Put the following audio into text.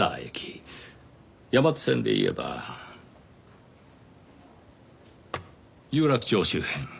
山手線で言えば有楽町周辺。